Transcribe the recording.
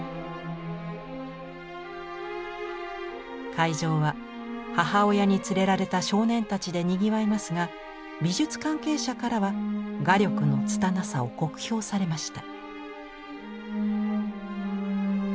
会場は母親に連れられた少年たちでにぎわいますが美術関係者からは画力のつたなさを酷評されました。